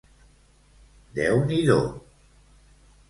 Déu-n'hi-do